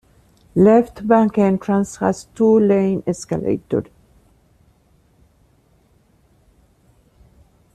Left bank entrance has a two-lane escalator.